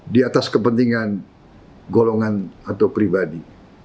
di atas kepentingan golongan atau pribadi